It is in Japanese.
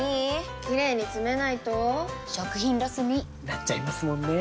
キレイにつめないと食品ロスに．．．なっちゃいますもんねー！